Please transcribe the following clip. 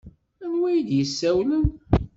Anwa ay d-yessawlen?